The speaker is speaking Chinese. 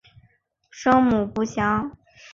生母不详。